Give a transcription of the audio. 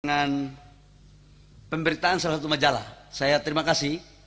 dengan pemberitaan salah satu majalah saya terima kasih